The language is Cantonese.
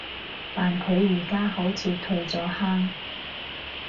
但佢而家好似退咗坑